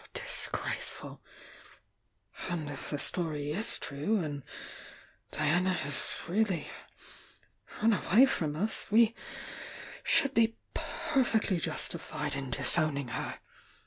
Disgrace luil And If the story is true and Diana has really run away from us, we should be perfectly justified m disowning her!"